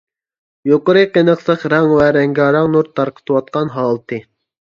يۇقىرى قېنىقلىق رەڭ ۋە رەڭگارەڭ نۇر تارقىتىۋاتقان ھالىتى.